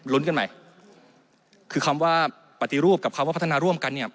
กันใหม่คือคำว่าปฏิรูปกับคำว่าพัฒนาร่วมกันเนี่ย